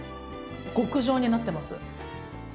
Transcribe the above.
極上になってます。